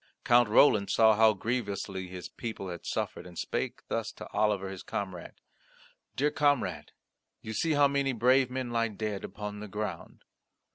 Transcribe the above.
Count Roland saw how grievously his people had suffered and spake thus to Oliver his comrade: "Dear comrade, you see how many brave men lie dead upon the ground.